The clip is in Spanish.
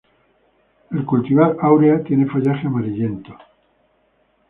El cultivar "Áurea" tiene follaje amarillento.